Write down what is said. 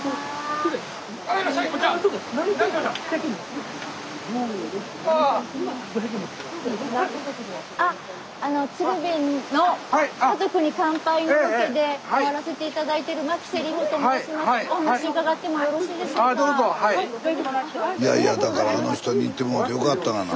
スタジオいやいやだからあの人に行ってもろうてよかったがな。